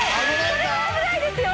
それは危ないですよ！